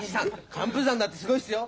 寒風山だってすごいっすよ。